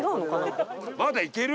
まだいける？